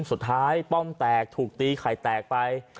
สุดท้ายป้อมแตกถูกตีไข่แตกไป